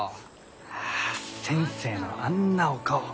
あ先生のあんなお顔